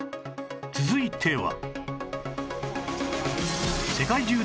続いては